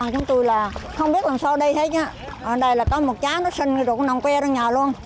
chúng tôi là không biết làm sao đây thế chứ ở đây là có một trái nó sinh rồi đổ nồng que ra nhà luôn